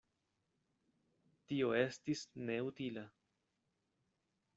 Tio estis neutila.